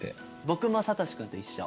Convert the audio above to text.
僕もさとし君と一緒。